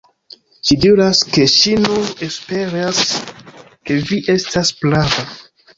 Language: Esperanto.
Ŝi diras, ke ŝi nur esperas, ke vi estas prava.